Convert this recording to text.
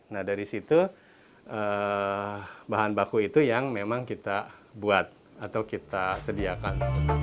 nah dari situ bahan baku itu yang memang kita buat atau kita sediakan